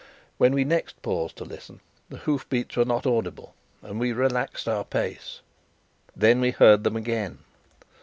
When we next paused to listen, the hoof beats were not audible, and we relaxed our pace. Then we heard them again.